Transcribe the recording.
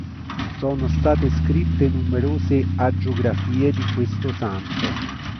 Sono state scritte numerose agiografie di questo santo.